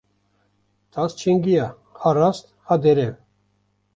Tas çingiya, ha rast ha derew